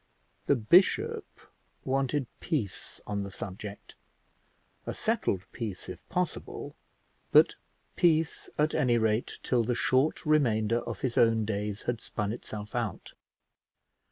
The bishop wanted peace on the subject; a settled peace if possible, but peace at any rate till the short remainder of his own days had spun itself out.